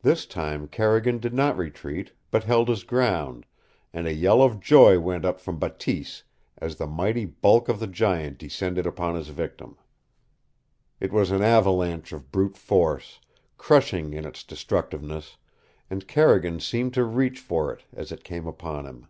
This time Carrigan did not retreat, but held his ground, and a yell of joy went up from Bateese as the mighty bulk of the giant descended upon his victim. It was an avalanche of brute force, crushing in its destructiveness, and Carrigan seemed to reach for it as it came upon him.